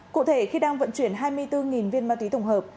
cụ thể khi đang vận chuyển hai mươi bốn viên ma túy tổng hợp